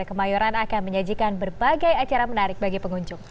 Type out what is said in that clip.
kemayoran akan menyajikan berbagai acara menarik bagi pengunjung